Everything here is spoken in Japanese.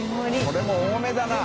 これも多めだな。